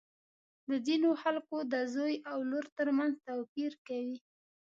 د ځینو خلکو د زوی او لور تر منځ توپیر کوي.